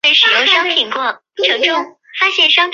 他现在在丹麦手球联赛球队哥本哈根效力。